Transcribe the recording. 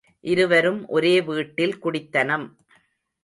இருவரும் ஒரே வீட்டில் குடித்தனம்.